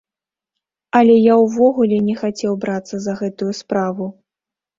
Але я ўвогуле не хацеў брацца за гэтую справу!